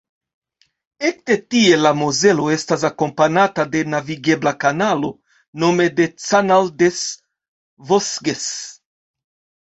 Ekde tie la Mozelo estas akompanata de navigebla kanalo, nome la Canal des Vosges.